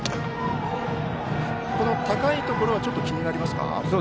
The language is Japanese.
高いところはちょっと気になりますか？